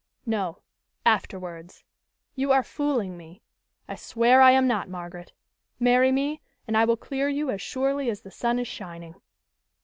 "No, afterwards." "You are fooling me." "I swear I am not, Margaret. Marry me, and I will clear you as surely as the sun is shining."